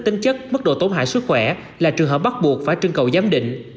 tính chất mức độ tổn hại sức khỏe là trường hợp bắt buộc phải trưng cầu giám định